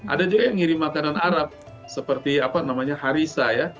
ada juga yang ngirim makanan arab seperti apa namanya harisa ya